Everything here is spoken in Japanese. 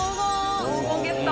黄金ゲット！